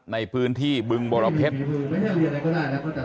ในพื้นที่บึงบรเพชร